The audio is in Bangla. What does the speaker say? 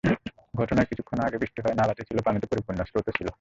ঘটনার কিছুক্ষণ আগে বৃষ্টি হওয়ায় নালাটি ছিল পানিতে পরিপূর্ণ, স্রোতও ছিল।